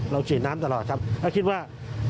เราฉีดน้ำตลอดถ้าคิดว่า